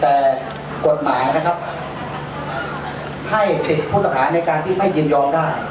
แต่กฎหมายนะครับให้สิทธิ์ผู้ต้องหาในการที่ไม่ยินยอมได้